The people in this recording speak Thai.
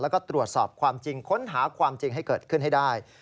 แล้วก็ตรวจสอบความจริงค้นหาความจริงให้เกิดขึ้นให้ได้